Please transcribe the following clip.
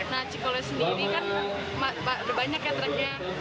nah cikole sendiri kan banyak ya truknya